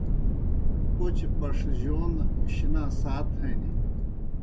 پوْچہ پݜجَون شِنا سات ہنیْ۔